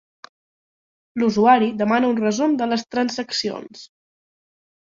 L'usuari demana un resum de les transaccions.